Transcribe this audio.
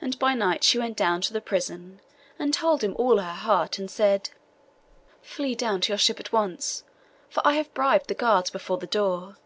And by night she went down to the prison, and told him all her heart; and said— 'Flee down to your ship at once, for I have bribed the guards before the door.